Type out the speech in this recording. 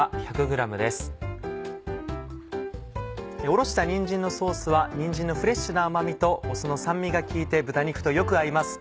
おろしたにんじんのソースはにんじんのフレッシュな甘味と酢の酸味が効いて豚肉とよく合います